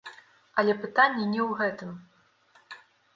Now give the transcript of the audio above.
Але пытанне не ў гэтым.